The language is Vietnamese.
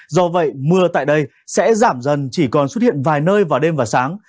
do vậy mưa tại đây sẽ giảm dần chỉ còn xuất hiện vài nơi vào đêm và sáng